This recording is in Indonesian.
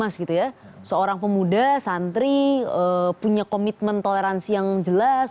seorang pemuda santri punya komitmen toleransi yang jelas